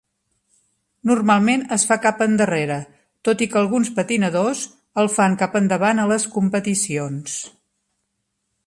Normalment es fa cap endarrere, tot i que alguns patinadors el fan cap endavant a les competicions.